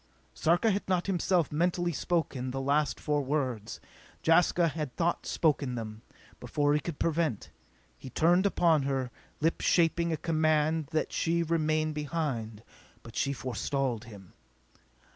_" Sarka had not himself mentally spoken the last four words. Jaska had thought spoken them, before he could prevent. He turned upon her, lips shaping a command that she remain behind. But she forestalled him.